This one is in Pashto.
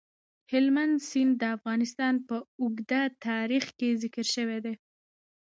هلمند سیند د افغانستان په اوږده تاریخ کې ذکر شوی دی.